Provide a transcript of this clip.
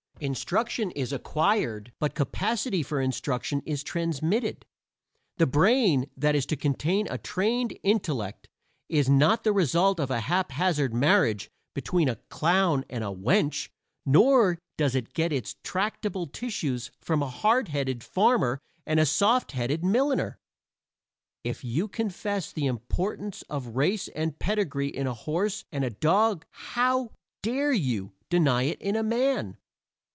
Instruction is acquired, but capacity for instruction is transmitted. The brain that is to contain a trained intellect is not the result of a haphazard marriage between a clown and a wench, nor does it get its tractable tissues from a hard headed farmer and a soft headed milliner. If you confess the importance of race and pedigree in a horse and a dog how dare you deny it in a man?